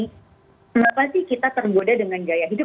kenapa sih kita tergoda dengan gaya hidup